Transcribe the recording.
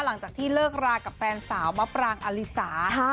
หลังจากที่เลิกรากับแฟนสาวมะปรางอลิสา